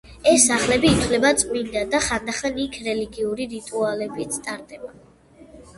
ეს სახლები ითვლება წმინდად და ხანდახან იქ რელიგიური რიტუალებიც ტარდება.